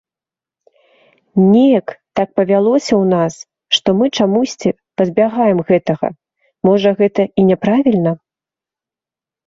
Неяк так павялося ў нас, што мы чамусьці пазбягаем гэтага, можа, гэта і няправільна.